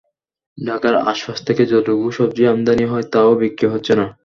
ঢাকার আশপাশ থেকে যতটুকু সবজি আমদানি হয়, তা-ও বিক্রি হচ্ছে না।